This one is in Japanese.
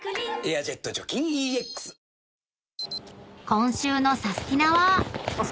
［今週の『サスティな！』は］